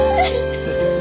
フフフフ。